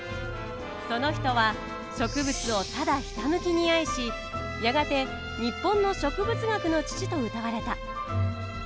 その人は植物をただひたむきに愛しやがて日本の植物学の父とうたわれた。